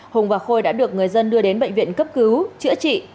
hùng và khôi đã được người dân đưa đến bệnh viện cấp cứu chữa trị